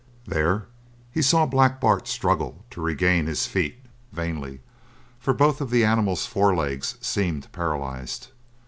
There he saw Black Bart struggle to regain his feet, vainly, for both of the animal's forelegs seemed paralyzed.